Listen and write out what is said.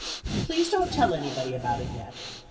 Please don't tell anybody about it yet.